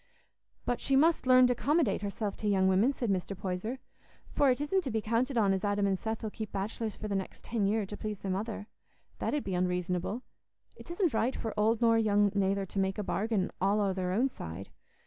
"But she must learn to 'commodate herself to young women," said Mr. Poyser, "for it isn't to be counted on as Adam and Seth 'ull keep bachelors for the next ten year to please their mother. That 'ud be unreasonable. It isn't right for old nor young nayther to make a bargain all o' their own side.